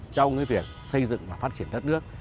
trong việc xây dựng và phát triển đất nước